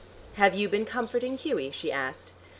"Have you been comforting Hughie?" she asked.